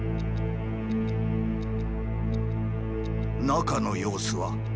中の様子は？